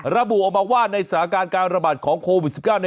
ระบุออกมาว่าในสถานการณ์การระบาดของโควิด๑๙